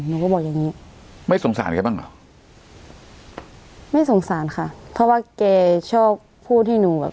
หนูก็บอกอย่างงี้ไม่สงสารแกบ้างเหรอไม่สงสารค่ะเพราะว่าแกชอบพูดที่หนูแบบ